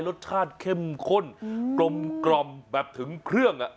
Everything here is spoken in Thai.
รสชาติเข้มข้นกลมแบบถึงเครื่อง